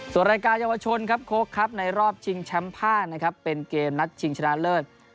ส่วนรายการเยาวชนครับโค๊กในรอบชิงแชมป์๕เป็นเกมนัดชิงชนะเลิศ